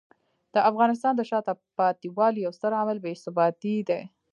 د افغانستان د شاته پاتې والي یو ستر عامل بې ثباتي دی.